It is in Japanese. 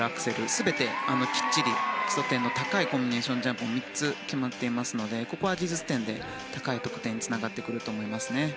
全てきっちり基礎点の高いコンビネーションジャンプが３つ、決まっていますのでここは技術点で高い得点につながってくると思います。